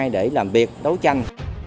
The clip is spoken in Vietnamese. để làm việc đấu tranh